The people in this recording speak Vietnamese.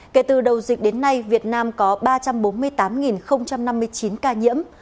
kể từ đầu dịch đến nay việt nam có ba trăm bốn mươi tám năm mươi chín ca nhiễm